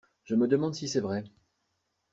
Je me demande si c'est vrai.